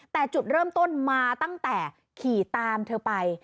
แต่จุดเริ่มต้นมาตั้งแต่ขี่ตามเธอไป